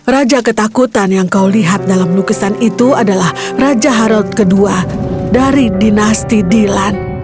raja ketakutan yang kau lihat dalam lukisan itu adalah raja harald ii dari dinasti dilan